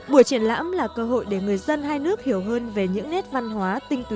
buổi triển lãm là cơ hội để người dân hai nước hiểu hơn về những nét văn hóa